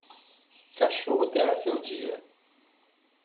Cachorro terá seu dia